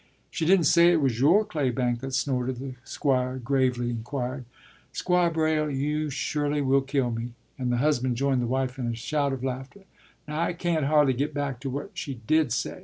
“She didn't say it was your claybank that snorted?” the Squire gravely inquired. “Squire Braile, you surely will kill me,” and the husband joined the wife in a shout of laughter. “Now I can't hardly git back to what she did say.